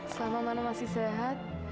sama mano masih sehat